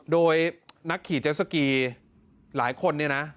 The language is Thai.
โดยนักขี่เจสสกีหลายคนเนี่ยนะ